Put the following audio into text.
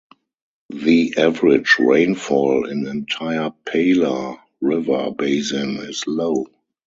The average rainfall in entire Palar river basin is low.